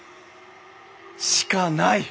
しかない！